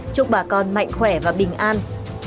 chúc bà con mạnh khỏe và bình an